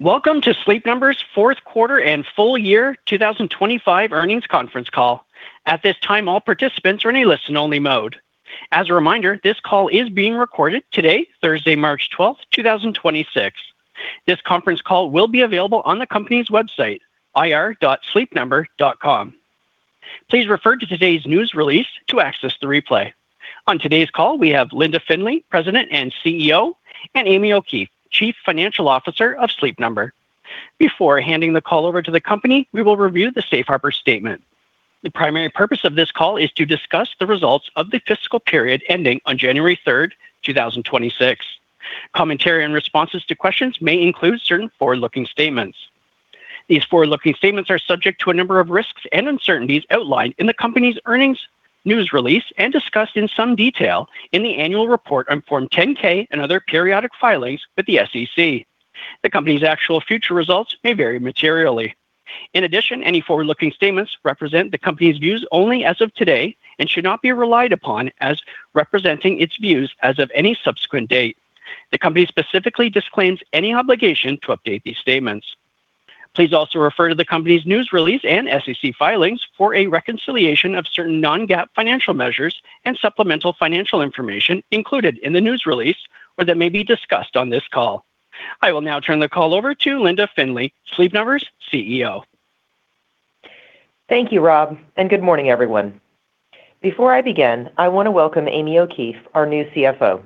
Welcome to Sleep Number's fourth quarter and full year 2025 earnings conference call. At this time, all participants are in a listen-only mode. As a reminder, this call is being recorded today, Thursday, March 12, 2026. This conference call will be available on the company's website, ir.sleepnumber.com. Please refer to today's news release to access the replay. On today's call, we have Linda Findley, President and CEO, and Amy O'Keefe, Chief Financial Officer of Sleep Number. Before handing the call over to the company, we will review the Safe Harbor statement. The primary purpose of this call is to discuss the results of the fiscal period ending on January 3, 2026. Commentary and responses to questions may include certain forward-looking statements. These forward-looking statements are subject to a number of risks and uncertainties outlined in the company's earnings news release and discussed in some detail in the annual report on Form 10-K and other periodic filings with the SEC. The company's actual future results may vary materially. In addition, any forward-looking statements represent the company's views only as of today and should not be relied upon as representing its views as of any subsequent date. The company specifically disclaims any obligation to update these statements. Please also refer to the company's news release and SEC filings for a reconciliation of certain non-GAAP financial measures and supplemental financial information included in the news release or that may be discussed on this call. I will now turn the call over to Linda Findley, Sleep Number's CEO. Thank you, Rob, and good morning, everyone. Before I begin, I want to welcome Amy O'Keefe, our new CFO.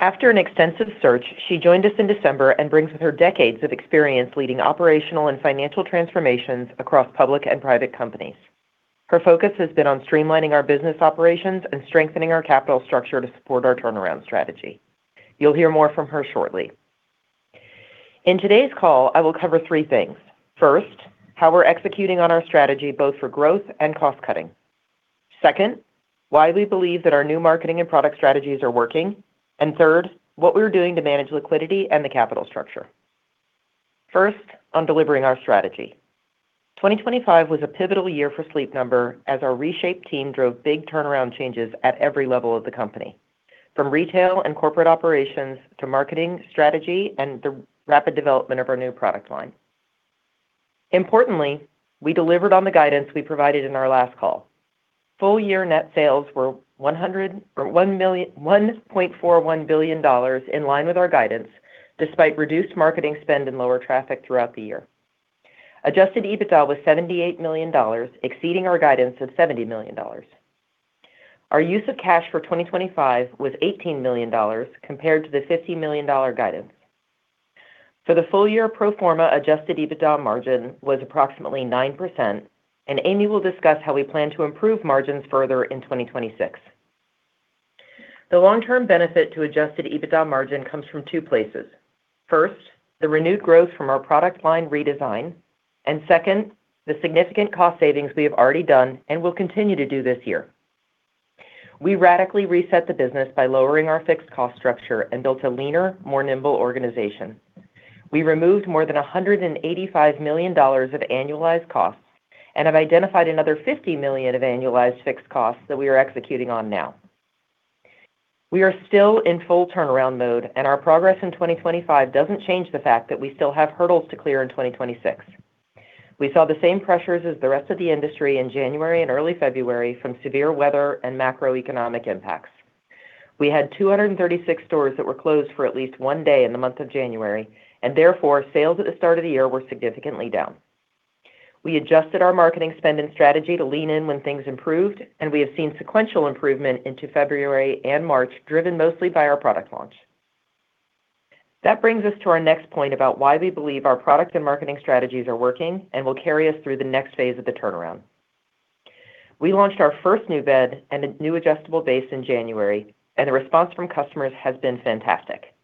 After an extensive search, she joined us in December and brings with her decades of experience leading operational and financial transformations across public and private companies. Her focus has been on streamlining our business operations and strengthening our capital structure to support our turnaround strategy. You'll hear more from her shortly. In today's call, I will cover three things. First, how we're executing on our strategy both for growth and cost cutting. Second, why we believe that our new marketing and product strategies are working. Third, what we're doing to manage liquidity and the capital structure. First, on delivering our strategy. 2025 was a pivotal year for Sleep Number as our reshaped team drove big turnaround changes at every level of the company, from retail and corporate operations to marketing, strategy, and the rapid development of our new product line. Importantly, we delivered on the guidance we provided in our last call. Full year net sales were $1.41 billion in line with our guidance despite reduced marketing spend and lower traffic throughout the year. Adjusted EBITDA was $78 million, exceeding our guidance of $70 million. Our use of cash for 2025 was $18 million compared to the $50 million guidance. For the full year pro forma adjusted EBITDA margin was approximately 9%, and Amy will discuss how we plan to improve margins further in 2026. The long-term benefit to adjusted EBITDA margin comes from two places. First, the renewed growth from our product line redesign. Second, the significant cost savings we have already done and will continue to do this year. We radically reset the business by lowering our fixed cost structure and built a leaner, more nimble organization. We removed more than $185 million of annualized costs and have identified another $50 million of annualized fixed costs that we are executing on now. We are still in full turnaround mode, and our progress in 2025 doesn't change the fact that we still have hurdles to clear in 2026. We saw the same pressures as the rest of the industry in January and early February from severe weather and macroeconomic impacts. We had 236 stores that were closed for at least one day in the month of January, and therefore, sales at the start of the year were significantly down. We adjusted our marketing spend and strategy to lean in when things improved, and we have seen sequential improvement into February and March, driven mostly by our product launch. That brings us to our next point about why we believe our product and marketing strategies are working and will carry us through the next phase of the turnaround. We launched our first new bed and a new adjustable base in January, and the response from customers has been fantastic.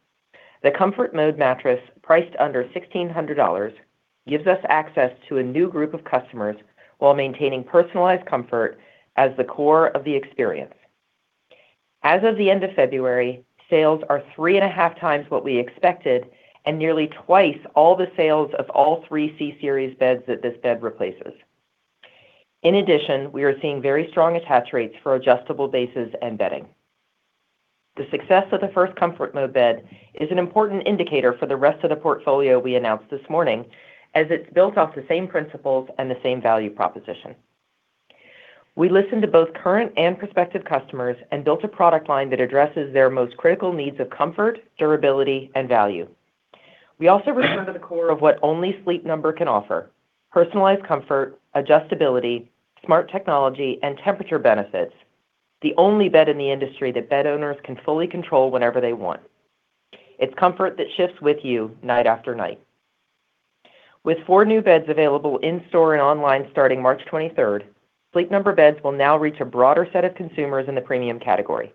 The ComfortMode mattress, priced under $1,600, gives us access to a new group of customers while maintaining personalized comfort as the core of the experience. As of the end of February, sales are 3.5 times what we expected and nearly twice all the sales of all three c-series beds that this bed replaces. In addition, we are seeing very strong attach rates for adjustable bases and bedding. The success of the first ComfortMode bed is an important indicator for the rest of the portfolio we announced this morning, as it's built off the same principles and the same value proposition. We listened to both current and prospective customers and built a product line that addresses their most critical needs of comfort, durability, and value. We also returned to the core of what only Sleep Number can offer, personalized comfort, adjustability, smart technology, and temperature benefits, the only bed in the industry that bed owners can fully control whenever they want. It's comfort that shifts with you night after night. With four new beds available in-store and online starting March 23rd, Sleep Number beds will now reach a broader set of consumers in the premium category.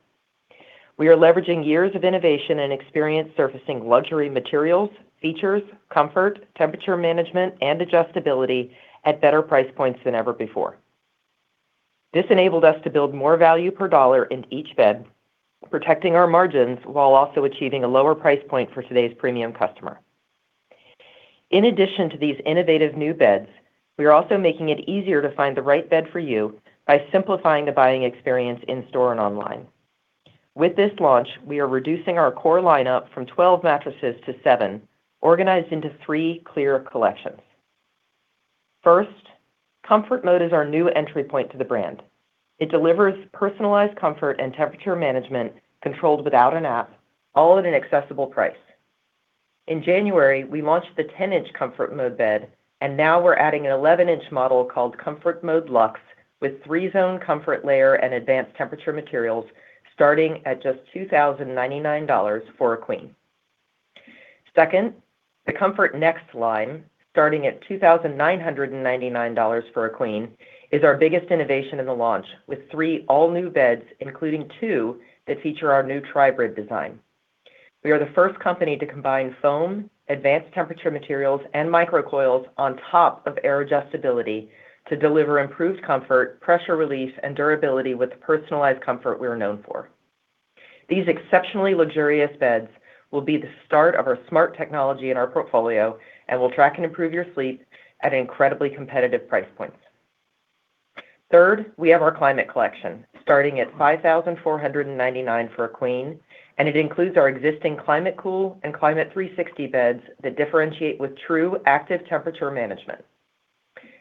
We are leveraging years of innovation and experience surfacing luxury materials, features, comfort, temperature management, and adjustability at better price points than ever before. This enabled us to build more value per dollar in each bed, protecting our margins while also achieving a lower price point for today's premium customer. In addition to these innovative new beds, we are also making it easier to find the right bed for you by simplifying the buying experience in-store and online. With this launch, we are reducing our core lineup from 12 mattresses to seven, organized into three clear collections. First, ComfortMode is our new entry point to the brand. It delivers personalized comfort and temperature management controlled without an app, all at an accessible price. In January, we launched the 10-inch ComfortMode bed, and now we're adding an 11-inch model called ComfortMode Lux with three-zone comfort layer and advanced temperature materials starting at just $2,099 for a queen. Second, the ComfortNext line, starting at $2,999 for a queen, is our biggest innovation in the launch, with three all-new beds, including two that feature our new Tri-Brid design. We are the first company to combine foam, advanced temperature materials, and microcoils on top of air adjustability to deliver improved comfort, pressure relief, and durability with the personalized comfort we are known for. These exceptionally luxurious beds will be the start of our smart technology in our portfolio and will track and improve your sleep at incredibly competitive price points. Third, we have our Climate Collection, starting at $5,499 for a queen, and it includes our existing ClimateCool and Climate360 beds that differentiate with true active temperature management.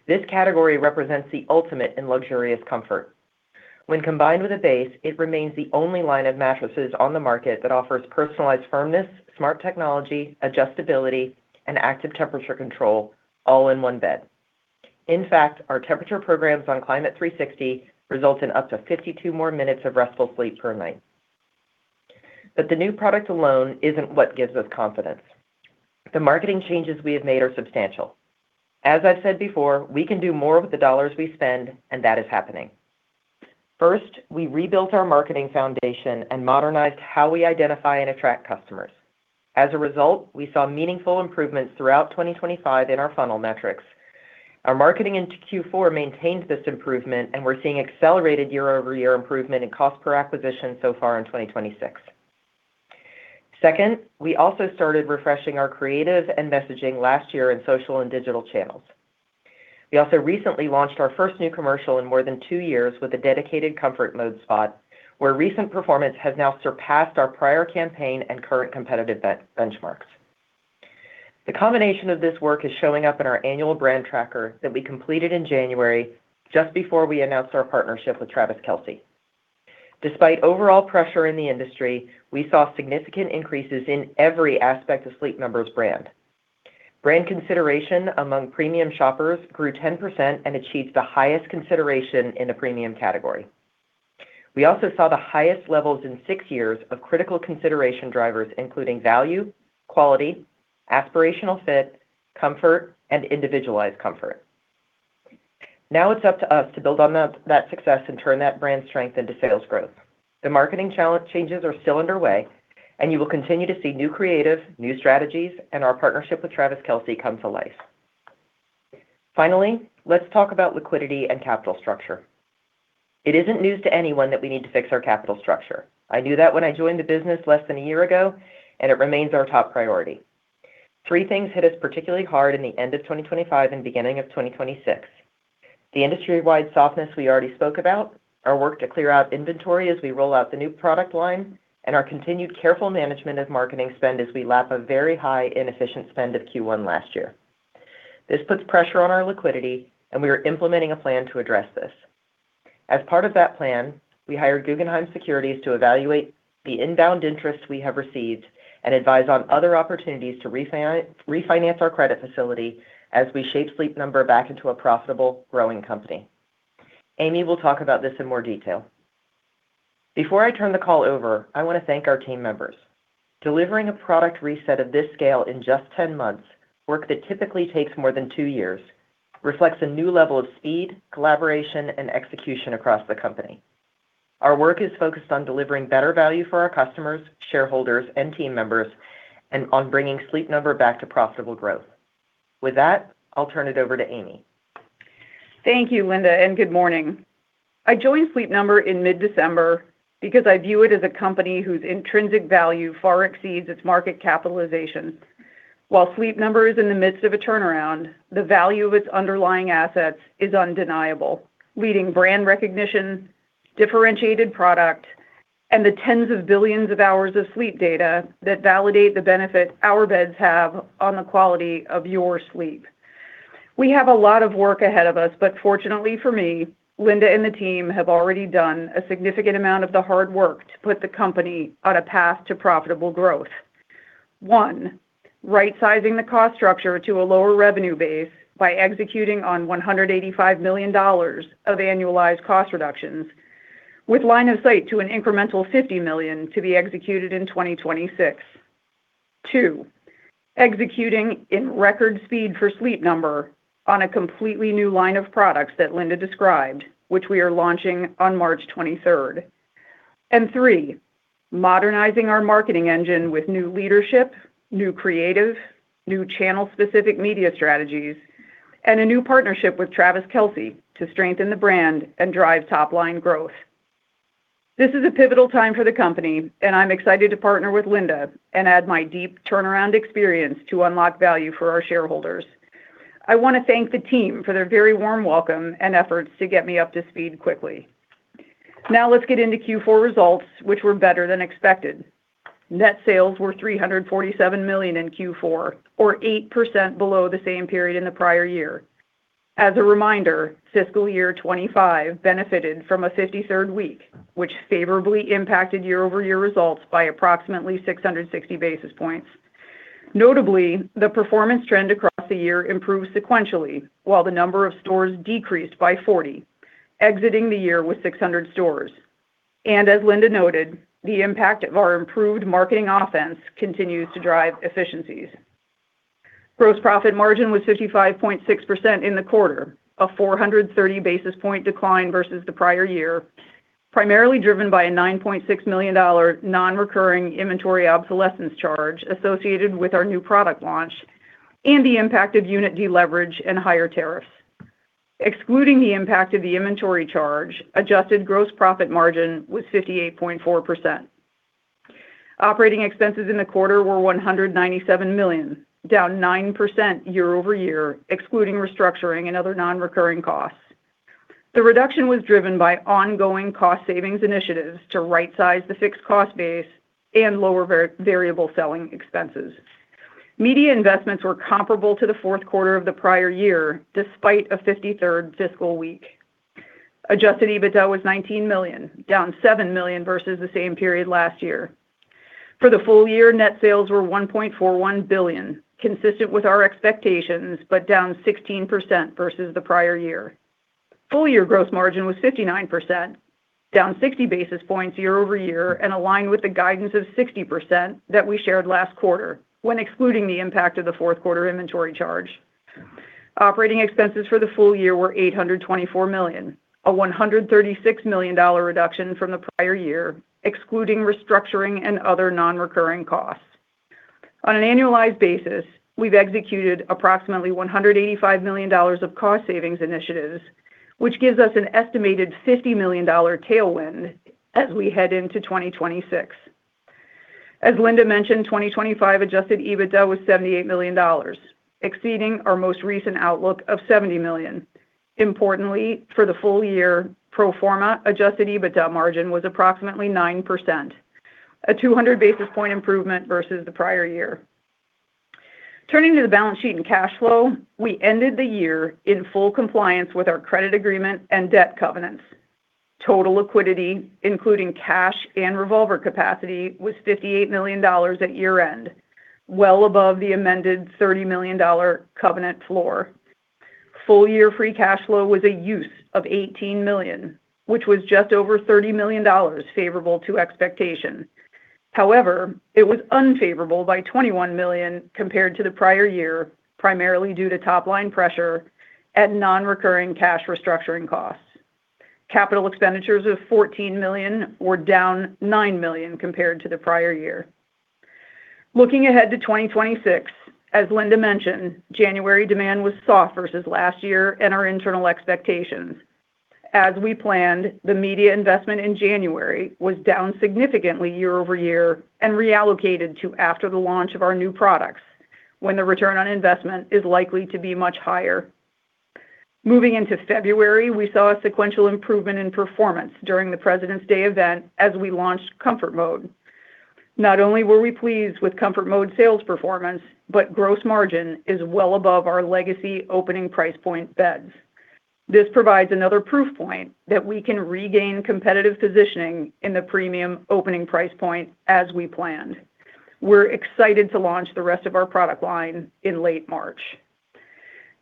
This category represents the ultimate in luxurious comfort. When combined with a base, it remains the only line of mattresses on the market that offers personalized firmness, smart technology, adjustability, and active temperature control all in one bed. In fact, our temperature programs on Climate360 result in up to 52 more minutes of restful sleep per night. The new product alone isn't what gives us confidence. The marketing changes we have made are substantial. As I've said before, we can do more with the dollars we spend, and that is happening. First, we rebuilt our marketing foundation and modernized how we identify and attract customers. As a result, we saw meaningful improvements throughout 2025 in our funnel metrics. Our marketing into Q4 maintained this improvement, and we're seeing accelerated year-over-year improvement in cost per acquisition so far in 2026. Second, we also started refreshing our creative and messaging last year in social and digital channels. We also recently launched our first new commercial in more than two years with a dedicated ComfortMode spot, where recent performance has now surpassed our prior campaign and current competitive benchmarks. The combination of this work is showing up in our annual brand tracker that we completed in January just before we announced our partnership with Travis Kelce. Despite overall pressure in the industry, we saw significant increases in every aspect of Sleep Number's brand. Brand consideration among premium shoppers grew 10% and achieves the highest consideration in the premium category. We also saw the highest levels in six years of critical consideration drivers, including value, quality, aspirational fit, comfort, and individualized comfort. Now it's up to us to build on that success and turn that brand strength into sales growth. The marketing changes are still underway, and you will continue to see new creative, new strategies, and our partnership with Travis Kelce come to life. Finally, let's talk about liquidity and capital structure. It isn't news to anyone that we need to fix our capital structure. I knew that when I joined the business less than a year ago, and it remains our top priority. Three things hit us particularly hard in the end of 2025 and beginning of 2026. The industry-wide softness we already spoke about, our work to clear out inventory as we roll out the new product line, and our continued careful management of marketing spend as we lap a very high inefficient spend of Q1 last year. This puts pressure on our liquidity, and we are implementing a plan to address this. As part of that plan, we hired Guggenheim Securities to evaluate the inbound interest we have received and advise on other opportunities to refinance our credit facility as we shape Sleep Number back into a profitable, growing company. Amy will talk about this in more detail. Before I turn the call over, I want to thank our team members. Delivering a product reset of this scale in just 10 months, work that typically takes more than two years, reflects a new level of speed, collaboration, and execution across the company. Our work is focused on delivering better value for our customers, shareholders, and team members, and on bringing Sleep Number back to profitable growth. With that, I'll turn it over to Amy. Thank you, Linda, and good morning. I joined Sleep Number in mid-December because I view it as a company whose intrinsic value far exceeds its market capitalization. While Sleep Number is in the midst of a turnaround, the value of its underlying assets is undeniable. Leading brand recognition, differentiated product, and the tens of billions of hours of sleep data that validate the benefit our beds have on the quality of your sleep. We have a lot of work ahead of us, but fortunately for me, Linda and the team have already done a significant amount of the hard work to put the company on a path to profitable growth. One, right-sizing the cost structure to a lower revenue base by executing on $185 million of annualized cost reductions with line of sight to an incremental $50 million to be executed in 2026. Two, executing in record speed for Sleep Number on a completely new line of products that Linda described, which we are launching on March 23rd. Three, modernizing our marketing engine with new leadership, new creative, new channel-specific media strategies, and a new partnership with Travis Kelce to strengthen the brand and drive top-line growth. This is a pivotal time for the company, and I'm excited to partner with Linda and add my deep turnaround experience to unlock value for our shareholders. I want to thank the team for their very warm welcome and efforts to get me up to speed quickly. Now let's get into Q4 results, which were better than expected. Net sales were $347 million in Q4, or 8% below the same period in the prior year. As a reminder, fiscal year 2025 benefited from a 53rd week, which favorably impacted year-over-year results by approximately 660 basis points. Notably, the performance trend across the year improved sequentially, while the number of stores decreased by 40, exiting the year with 600 stores. As Linda noted, the impact of our improved marketing offensive continues to drive efficiencies. Gross profit margin was 55.6% in the quarter, a 430 basis point decline versus the prior year, primarily driven by a $9.6 million non-recurring inventory obsolescence charge associated with our new product launch and the impact of unit deleverage and higher tariffs. Excluding the impact of the inventory charge, adjusted gross profit margin was 58.4%. Operating expenses in the quarter were $197 million, down 9% year-over-year, excluding restructuring and other non-recurring costs. The reduction was driven by ongoing cost savings initiatives to rightsize the fixed cost base and lower variable selling expenses. Media investments were comparable to the fourth quarter of the prior year, despite a 53rd fiscal week. Adjusted EBITDA was $19 million, down $7 million versus the same period last year. For the full year, net sales were $1.41 billion, consistent with our expectations but down 16% versus the prior year. Full year gross margin was 59%, down 60 basis points year-over-year and aligned with the guidance of 60% that we shared last quarter when excluding the impact of the fourth quarter inventory charge. Operating expenses for the full year were $824 million, a $136 million reduction from the prior year, excluding restructuring and other non-recurring costs. On an annualized basis, we've executed approximately $185 million of cost savings initiatives, which gives us an estimated $50 million tailwind as we head into 2026. As Linda mentioned, 2025 adjusted EBITDA was $78 million, exceeding our most recent outlook of $70 million. Importantly, for the full year pro forma, adjusted EBITDA margin was approximately 9%, a 200 basis point improvement versus the prior year. Turning to the balance sheet and cash flow, we ended the year in full compliance with our credit agreement and debt covenants. Total liquidity, including cash and revolver capacity, was $58 million at year-end, well above the amended $30 million covenant floor. Full year free cash flow was a use of $18 million, which was just over $30 million favorable to expectation. However, it was unfavorable by $21 million compared to the prior year, primarily due to top line pressure and non-recurring cash restructuring costs. Capital expenditures of $14 million were down $9 million compared to the prior year. Looking ahead to 2026, as Linda mentioned, January demand was soft versus last year and our internal expectations. As we planned, the media investment in January was down significantly year-over-year and reallocated to after the launch of our new products when the return on investment is likely to be much higher. Moving into February, we saw a sequential improvement in performance during the President's Day event as we launched ComfortMode. Not only were we pleased with ComfortMode sales performance, but gross margin is well above our legacy opening price point beds. This provides another proof point that we can regain competitive positioning in the premium opening price point as we planned. We're excited to launch the rest of our product line in late March.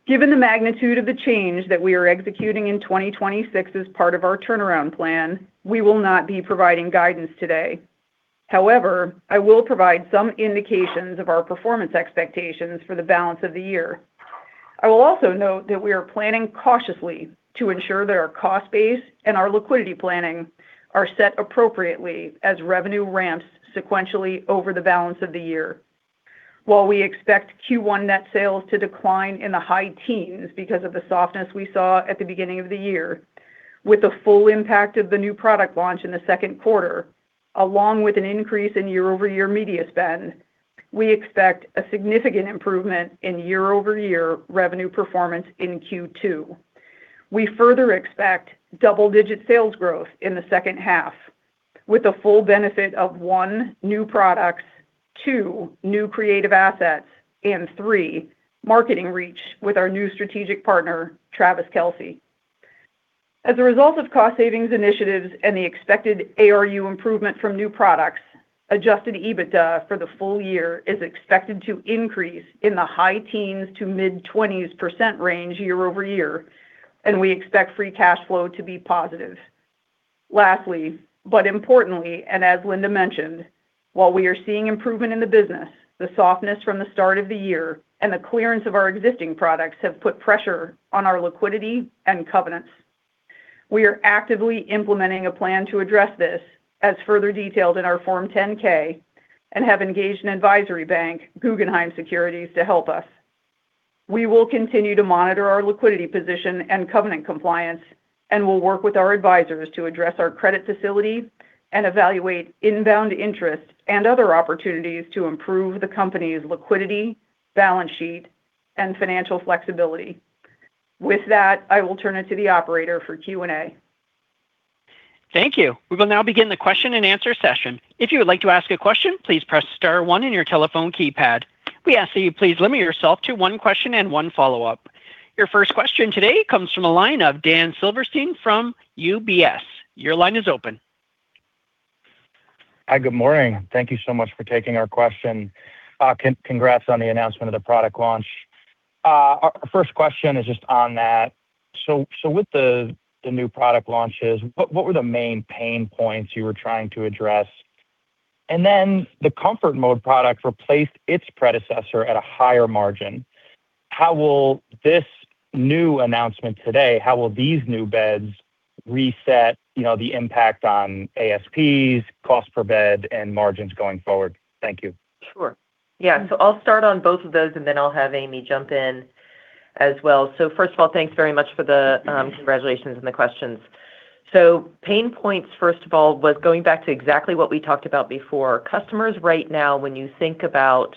Given the magnitude of the change that we are executing in 2026 as part of our turnaround plan, we will not be providing guidance today. However, I will provide some indications of our performance expectations for the balance of the year. I will also note that we are planning cautiously to ensure that our cost base and our liquidity planning are set appropriately as revenue ramps sequentially over the balance of the year. While we expect Q1 net sales to decline in the high teens% because of the softness we saw at the beginning of the year, with the full impact of the new product launch in the second quarter, along with an increase in year-over-year media spend, we expect a significant improvement in year-over-year revenue performance in Q2. We further expect double-digit sales growth in the second half with the full benefit of, one, new products, two, new creative assets, and three, marketing reach with our new strategic partner, Travis Kelce. As a result of cost savings initiatives and the expected ARU improvement from new products, adjusted EBITDA for the full year is expected to increase in the high teens to mid-20s% range year-over-year, and we expect free cash flow to be positive. Lastly, but importantly, and as Linda mentioned, while we are seeing improvement in the business, the softness from the start of the year and the clearance of our existing products have put pressure on our liquidity and covenants. We are actively implementing a plan to address this as further detailed in our Form 10-K and have engaged an advisory bank, Guggenheim Securities, to help us. We will continue to monitor our liquidity position and covenant compliance and will work with our advisors to address our credit facility and evaluate inbound interest and other opportunities to improve the company's liquidity, balance sheet and financial flexibility. With that, I will turn it to the operator for Q&A. Thank you. We will now begin the question-and-answer session. If you would like to ask a question, please press star one in your telephone keypad. We ask that you please limit yourself to one question and one follow-up. Your first question today comes from a line of Daniel Silverstein from UBS. Your line is open. Hi. Good morning. Thank you so much for taking our question. Congrats on the announcement of the product launch. Our first question is just on that. With the new product launches, what were the main pain points you were trying to address? The ComfortMode product replaced its predecessor at a higher margin. How will these new beds reset the impact on ASPs, cost per bed and margins going forward? Thank you. Sure. Yeah. I'll start on both of those, and then I'll have Amy jump in as well. First of all, thanks very much for the congratulations and the questions. Pain points, first of all, was going back to exactly what we talked about before. Customers right now, when you think about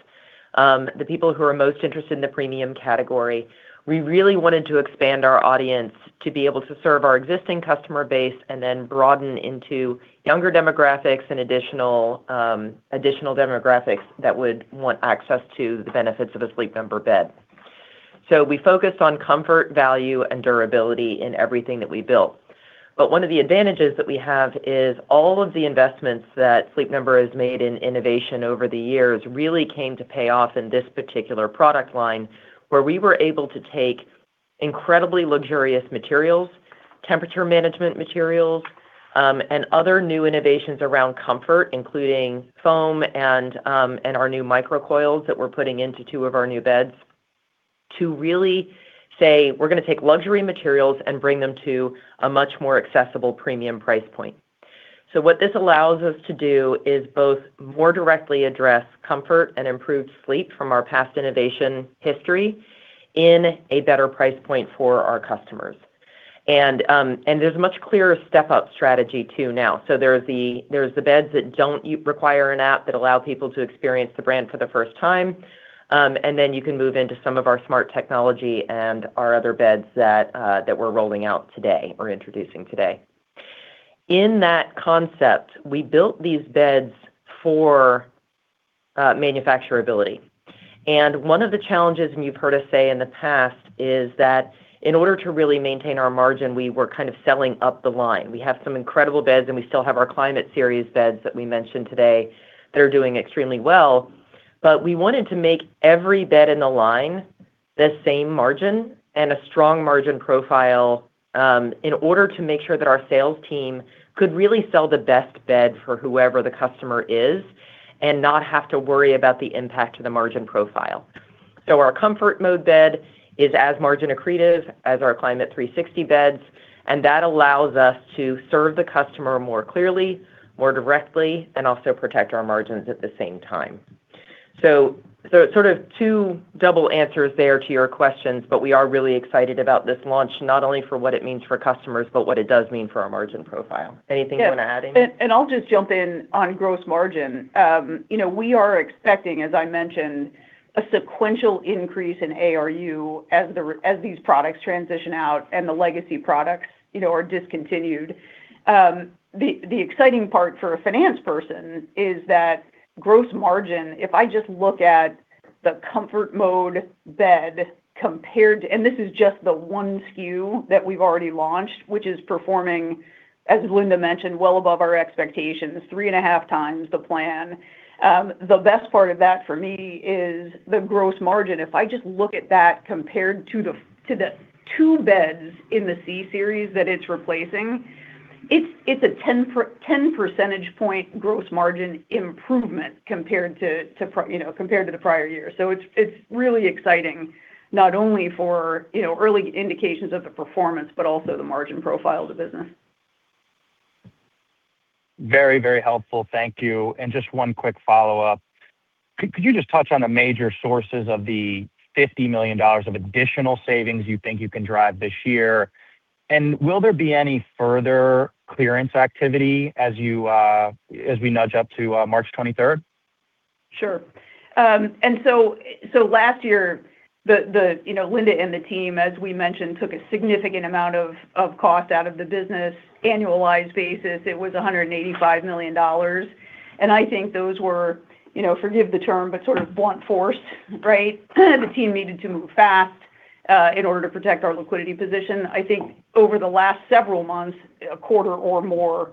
the people who are most interested in the premium category, we really wanted to expand our audience to be able to serve our existing customer base and then broaden into younger demographics and additional demographics that would want access to the benefits of a Sleep Number bed. We focused on comfort, value and durability in everything that we built. One of the advantages that we have is all of the investments that Sleep Number has made in innovation over the years really came to pay off in this particular product line, where we were able to take incredibly luxurious materials, temperature management materials, and other new innovations around comfort, including foam and our new microcoils that we're putting into two of our new beds to really say, "We're gonna take luxury materials and bring them to a much more accessible premium price point." What this allows us to do is both more directly address comfort and improved sleep from our past innovation history in a better price point for our customers. There's a much clearer step-up strategy too now. There's the beds that don't require an app that allow people to experience the brand for the first time. You can move into some of our smart technology and our other beds that we're rolling out today or introducing today. In that concept, we built these beds for manufacturability. One of the challenges, and you've heard us say in the past, is that in order to really maintain our margin, we were kind of selling up the line. We have some incredible beds, and we still have our Climate Series beds that we mentioned today that are doing extremely well, but we wanted to make every bed in the line the same margin and a strong margin profile, in order to make sure that our sales team could really sell the best bed for whoever the customer is and not have to worry about the impact to the margin profile. Our ComfortMode bed is as margin accretive as our Climate360 beds, and that allows us to serve the customer more clearly, more directly, and also protect our margins at the same time. Sort of two double answers there to your questions, but we are really excited about this launch, not only for what it means for customers, but what it does mean for our margin profile. Anything you want to add, Amy? Yeah. I'll just jump in on gross margin. We are expecting, as I mentioned, a sequential increase in ARU as these products transition out and the legacy products, you know, are discontinued. The exciting part for a finance person is that gross margin if I just look at the ComfortMode bed. This is just the one SKU that we've already launched, which is performing, as Linda mentioned, well above our expectations, 3.5 times the plan. The best part of that for me is the gross margin. If I just look at that compared to the two beds in the c-series that it's replacing, it's a 10 percentage point gross margin improvement compared to the prior year. It's really exciting, not only for early indications of the performance, but also the margin profile of the business. Very, very helpful. Thank you. Just one quick follow-up. Could you just touch on the major sources of the $50 million of additional savings you think you can drive this year? Will there be any further clearance activity as you, as we nudge up to March twenty-third? Sure. Last year, Linda and the team, as we mentioned, took a significant amount of cost out of the business. On an annualized basis, it was $185 million. I think those were forgive the term, but sort of blunt force, right? The team needed to move fast in order to protect our liquidity position. I think over the last several months, a quarter or more,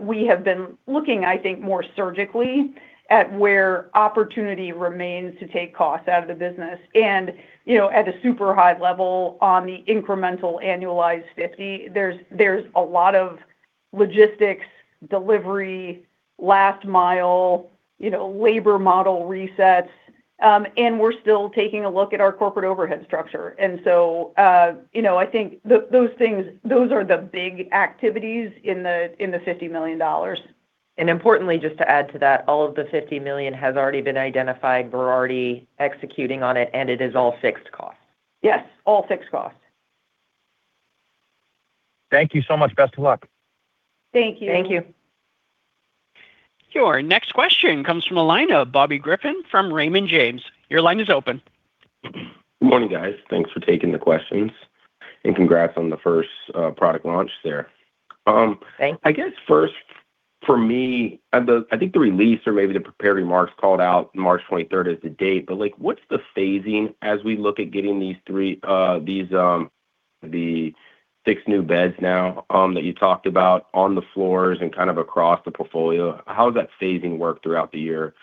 we have been looking, I think, more surgically at where opportunity remains to take costs out of the business and at a super high level on the incremental annualized $50 million, there's a lot of logistics, delivery, last mile labor model resets, and we're still taking a look at our corporate overhead structure. I think those things, those are the big activities in the, in the $50 million. Importantly, just to add to that, all of the $50 million has already been identified. We're already executing on it, and it is all fixed costs. Yes. All fixed costs. Thank you so much. Best of luck. Thank you. Thank you. Your next question comes from a line of Bobby Griffin from Raymond James. Your line is open. Good morning, guys. Thanks for taking the questions. Congrats on the first product launch there. Thanks. I guess first for me, I think the release or maybe the prepared remarks called out March twenty-third as the date, but, like, what's the phasing as we look at getting these six new beds now that you talked about on the floors and kind of across the portfolio, how does that phasing work throughout the year?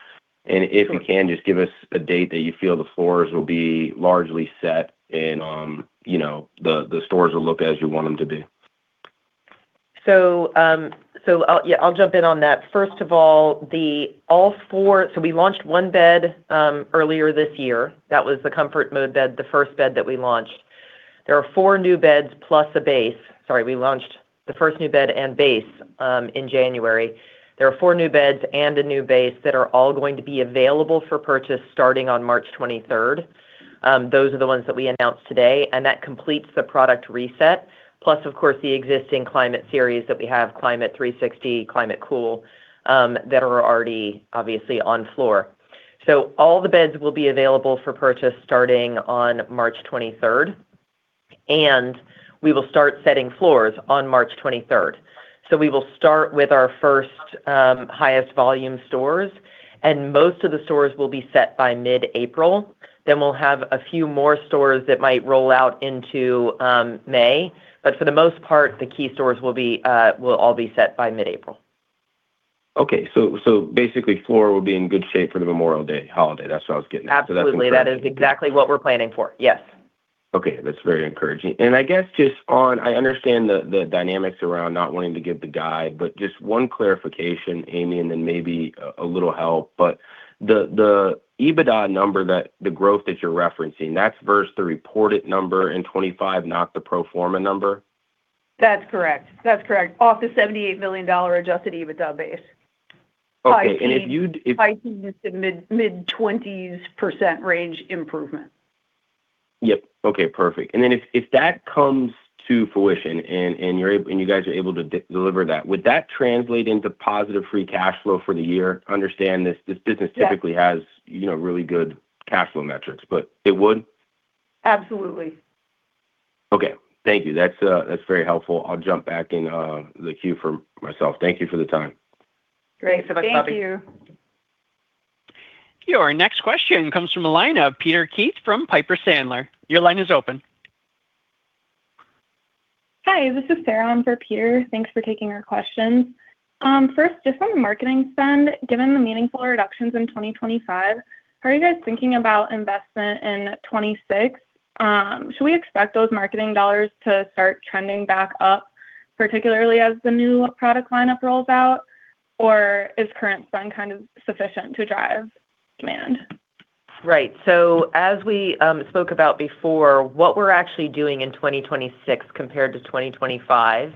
If you can, just give us a date that you feel the floors will be largely set and, you know, the stores will look as you want them to be. I'll jump in on that. First of all four. We launched one bed earlier this year. That was the ComfortMode bed, the first bed that we launched. There are four new beds plus a base. We launched the first new bed and base in January. There are four new beds and a new base that are all going to be available for purchase starting on March twenty-third. Those are the ones that we announced today, and that completes the product reset. Plus, of course, the existing Climate series that we have, Climate360, ClimateCool, that are already obviously on floor. All the beds will be available for purchase starting on March twenty-third, and we will start setting floors on March twenty-third. We will start with our first highest volume stores, and most of the stores will be set by mid-April. We'll have a few more stores that might roll out into May. For the most part, the key stores will all be set by mid-April. Okay. Basically, floor will be in good shape for the Memorial Day holiday. That's what I was getting at. Absolutely. That is exactly what we're planning for. Yes. Okay. That's very encouraging. I guess just on. I understand the dynamics around not wanting to give the guide, but just one clarification, Amy, and then maybe a little help. The EBITDA number that the growth that you're referencing, that's versus the reported number in 2025, not the pro forma number? That's correct. Off the $78 million adjusted EBITDA base. Okay. I see it's a mid-twenties % range improvement. Yep. Okay, perfect. If that comes to fruition and you guys are able to deliver that, would that translate into positive free cash flow for the year? Understand this business. Yes. Typically has really good cash flow metrics, but it would? Absolutely. Okay. Thank you. That's very helpful. I'll jump back in the queue for myself. Thank you for the time. Great. Thanks, Bobby. Thank you. Your next question comes from a line of Peter Keith from Piper Sandler. Your line is open. Hi, this is Sarah. I'm for Peter. Thanks for taking our questions. First, just on the marketing spend, given the meaningful reductions in 2025, are you guys thinking about investment in 2026? Should we expect those marketing dollars to start trending back up, particularly as the new product lineup rolls out, or is current spend kind of sufficient to drive demand? Right. As we spoke about before, what we're actually doing in 2026 compared to 2025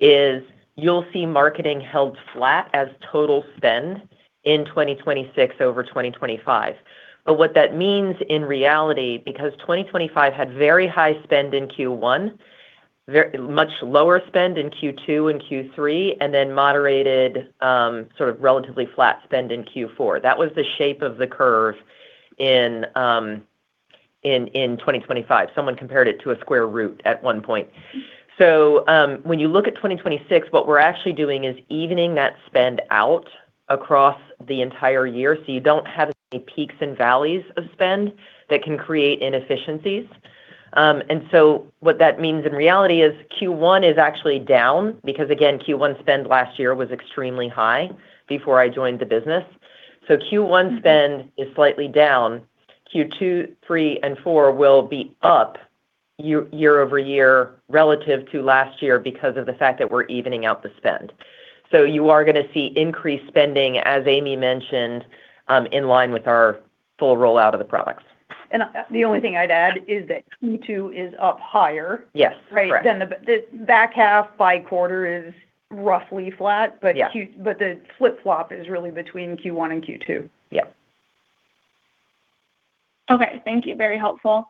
is you'll see marketing held flat as total spend in 2026 over 2025. What that means in reality, because 2025 had very high spend in Q1, very much lower spend in Q2 and Q3, and then moderated, sort of relatively flat spend in Q4. That was the shape of the curve in 2025. Someone compared it to a square root at one point. When you look at 2026, what we're actually doing is evening that spend out across the entire year, so you don't have any peaks and valleys of spend that can create inefficiencies. What that means in reality is Q1 is actually down because, again, Q1 spend last year was extremely high before I joined the business. Q1 spend is slightly down. Q2, Q3, and Q4 will be up year-over-year relative to last year because of the fact that we're evening out the spend. You are gonna see increased spending, as Amy mentioned, in line with our full rollout of the products. The only thing I'd add is that Q2 is up higher. Yes. Correct. Right? The back half by quarter is roughly flat. Yeah. The flip-flop is really between Q1 and Q2. Yeah. Okay. Thank you. Very helpful.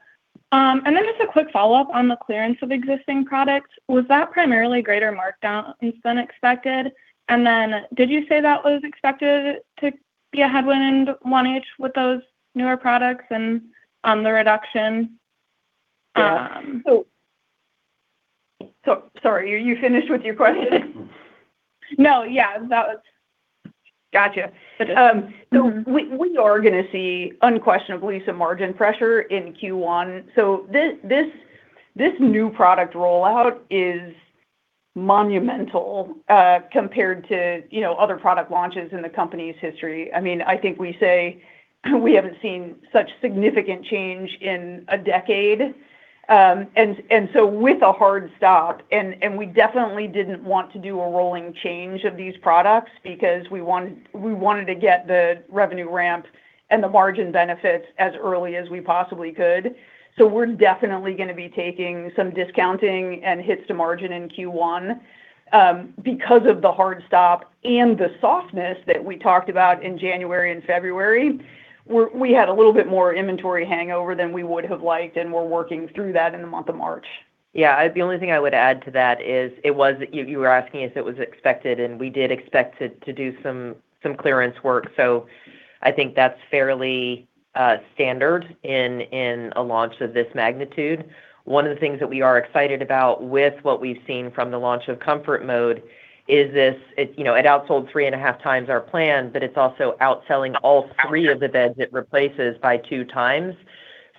Just a quick follow-up on the clearance of existing products. Was that primarily greater markdown than expected? Did you say that was expected to be a headwind on each with those newer products and the reduction? Sorry. Are you finished with your question? No. Yeah. That was. Gotcha. We are gonna see unquestionably some margin pressure in Q1. This new product rollout is monumental compared to other product launches in the company's history. I mean, I think we say we haven't seen such significant change in a decade with a hard stop. We definitely didn't want to do a rolling change of these products because we wanted to get the revenue ramp and the margin benefits as early as we possibly could. We're definitely gonna be taking some discounting and hits to margin in Q1 because of the hard stop and the softness that we talked about in January and February. We had a little bit more inventory hangover than we would have liked, and we're working through that in the month of March. Yeah. The only thing I would add to that is you were asking if it was expected, and we did expect to do some clearance work. I think that's fairly standard in a launch of this magnitude. One of the things that we are excited about with what we've seen from the launch of ComfortMode is it outsold 3.5 times our plan, but it's also outselling all three of the beds it replaces by two times.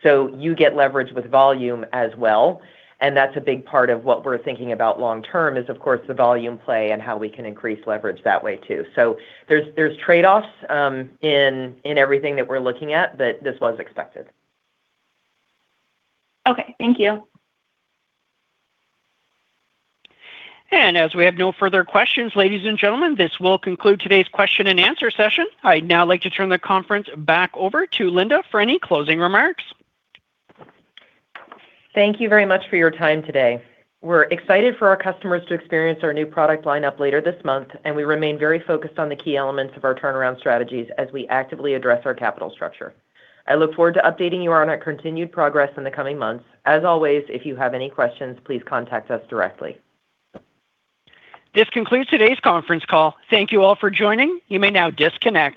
You get leverage with volume as well, and that's a big part of what we're thinking about long term is, of course, the volume play and how we can increase leverage that way too. There's trade-offs in everything that we're looking at, but this was expected. Okay. Thank you. As we have no further questions, ladies and gentlemen, this will conclude today's question and answer session. I'd now like to turn the conference back over to Linda for any closing remarks. Thank you very much for your time today. We're excited for our customers to experience our new product lineup later this month, and we remain very focused on the key elements of our turnaround strategies as we actively address our capital structure. I look forward to updating you on our continued progress in the coming months. As always, if you have any questions, please contact us directly. This concludes today's conference call. Thank you all for joining. You may now disconnect.